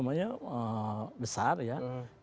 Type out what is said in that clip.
dan juga ketidakpastian